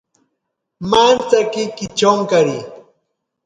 Mantsaki kichonkari.